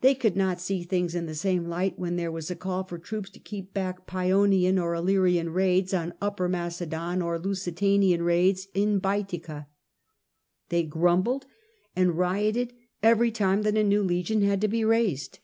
They could not see things in the same light when there was a call for troops to keep back Pseonian or Illyrian raids on Upper Macedon, or Lusitanian raids on Baetica. They grumbled and rioted every time that a new legion had to be raised.